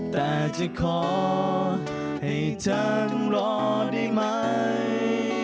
แต่จะขอให้เธอต้องรอได้ไหม